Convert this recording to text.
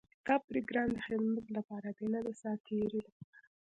دا پروګرام د خدمت لپاره دی، نۀ د ساعتېري لپاره.